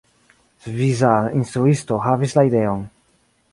Svisa instruisto havis la ideon.